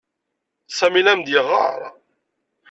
Sami la am-d-yeɣɣar.